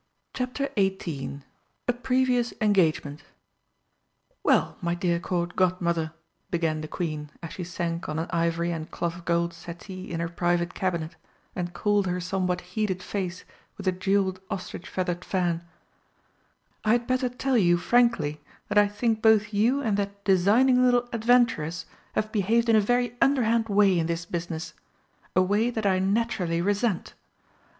CHAPTER XVIII A PREVIOUS ENGAGEMENT "Well, my dear Court Godmother," began the Queen, as she sank on an ivory and cloth of gold settee in her private Cabinet, and cooled her somewhat heated face with a jewelled ostrich feathered fan, "I had better tell you frankly that I think both you and that designing little adventuress have behaved in a very underhand way in this business a way that I naturally resent.